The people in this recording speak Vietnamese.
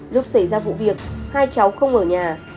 lúc xảy ra vụ việc hai cháu không ở nhà